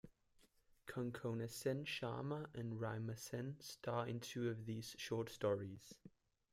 Konkona Sen Sharma and Raima Sen star in two of these short stories.